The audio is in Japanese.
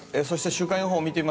そして週間予報です。